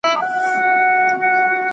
پکار ده چي په خپل کور کي اسانتياوي ولرئ.